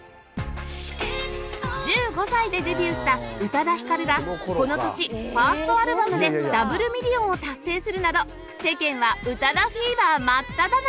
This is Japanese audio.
１５歳でデビューした宇多田ヒカルがこの年ファーストアルバムでダブルミリオンを達成するなど世間は宇多田フィーバー真っただ中